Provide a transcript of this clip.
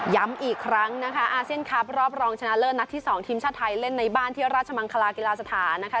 ย้ำอีกครั้งนะคะอาเซียนคลับรอบรองชนะเลิศนัดที่๒ทีมชาติไทยเล่นในบ้านที่ราชมังคลากีฬาสถานนะคะ